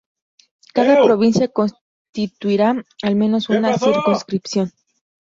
Cada provincia constituirá al menos una circunscripción.